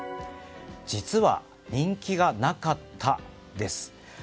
実は人気がなかった？です。